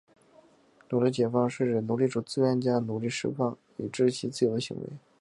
奴隶解放是指奴隶主自愿将奴隶释放以使其自由的行为。